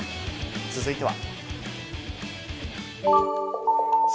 続いては。